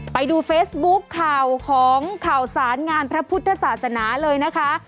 ไปดูเฟซบุ๊คข่าวของข่าวสารงานพระพุทธศาสนาเลยนะคะ